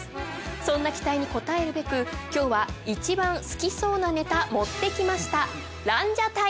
そんな期待に応えるべく今日はいちばん好きそうなネタ持ってきましたランジャタイ。